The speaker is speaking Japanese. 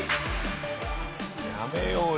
やめようよ。